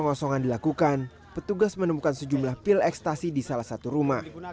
pengosongan dilakukan petugas menemukan sejumlah pil ekstasi di salah satu rumah